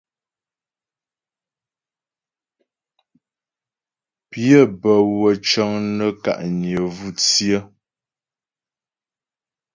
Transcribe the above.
Pyə́ bə́wə́ cəŋ nə́ ka'nyə vú tsyə.